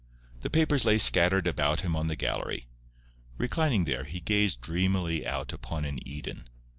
The papers lay scattered about him on the gallery. Reclining there, he gazed dreamily out upon an Eden.